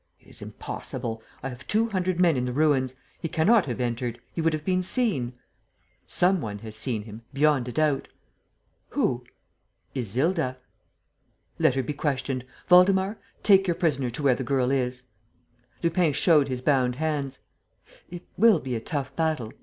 "It is impossible! I have two hundred men in the ruins. He cannot have entered. He would have been seen." "Some one has seen him, beyond a doubt." "Who?" "Isilda." "Let her be questioned! Waldemar, take your prisoner to where the girl is." Lupin showed his bound hands: "It will be a tough battle.